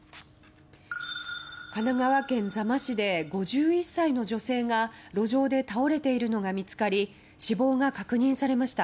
神奈川県座間市で５１歳の女性が路上で倒れているのが見つかり死亡が確認されました。